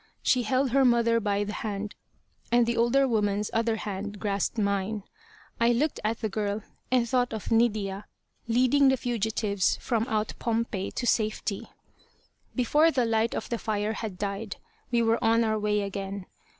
She held her mother by the hand, and the older woman's other hand grasped mine. I looked at the girl, and thought of Nydia, leading the fugitives from out Pompeii to safety. Before the light of the fire had died, we were on our way again.